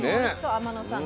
天野さん